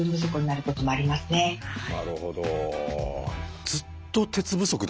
なるほど。